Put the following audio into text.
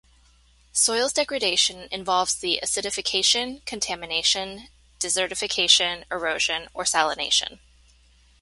Soils degradation involves the acidification, contamination, desertification, erosion or salination.